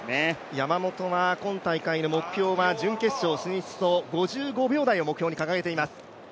山本は今大会の目標は準決勝進出と５５秒台を掲げています。